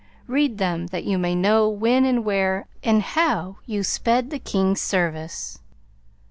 Read them, that you may know when and where and how you sped the King's service."